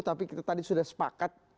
tapi kita tadi sudah sepakat